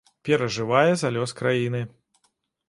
Перажывае за лёс краіны.